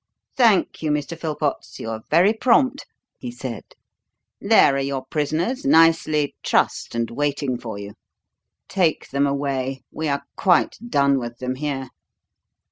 "Thank you, Mr. Philpotts; you are very prompt," he said. "There are your prisoners nicely trussed and waiting for you. Take them away we are quite done with them here.